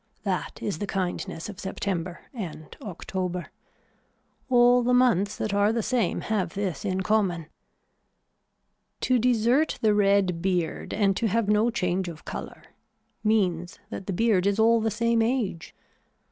That is the kindness of September and October. All the months that are the same have this in common. To desert the red beard and to have no change of color means that the beard is all the same age.